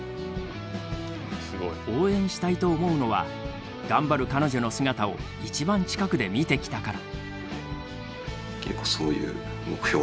応援したいと思うのは頑張る彼女の姿を一番近くで見てきたから。